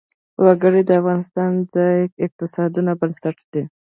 وګړي د افغانستان د ځایي اقتصادونو بنسټ دی.